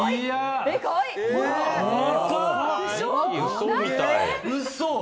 嘘みたい。